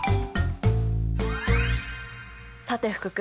さて福君！